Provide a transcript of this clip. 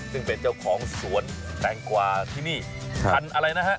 ซึ่งเป็นเจ้าของสวนแตงกวาที่นี่พันธุ์อะไรนะฮะ